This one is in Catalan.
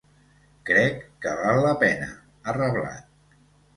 Crec que val la pena, ha reblat.